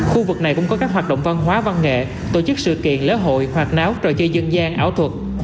khu vực này cũng có các hoạt động văn hóa văn nghệ tổ chức sự kiện lễ hội hoạt náo trò chơi dân gian ảo thuật